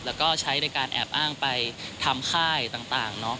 แล้วก็ใช้ในการแอบอ้างไปทำค่ายต่าง